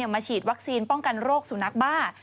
มาฉีดวัคซีนป้องกันโรคสุนัขบ้า